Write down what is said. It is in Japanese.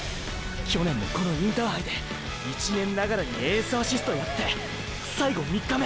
去年もこのインターハイで１年ながらにエースアシストやって最後３日目